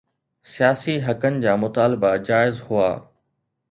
سياسي حقن جا مطالبا جائز هئا